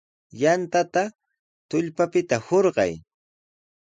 Yantata tullpapita hurqay.